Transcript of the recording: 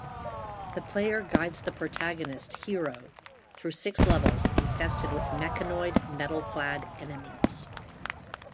The player guides the protagonist, Hiro, through six levels infested with mechanoid, metal-clad enemies.